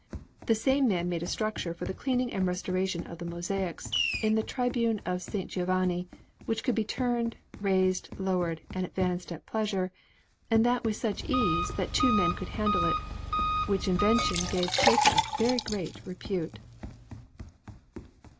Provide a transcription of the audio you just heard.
The same man made a structure for the cleaning and restoration of the mosaics in the tribune of S. Giovanni, which could be turned, raised, lowered, and advanced at pleasure, and that with such ease that two men could handle it; which invention gave Cecca very great repute.